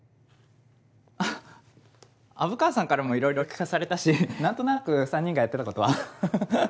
あっ虻川さんからもいろいろ聞かされたし何となく３人がやってたことはははははっ。